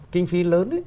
kinh phí lớn